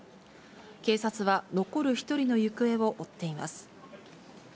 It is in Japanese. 警察は、残る１人の行方を追っています。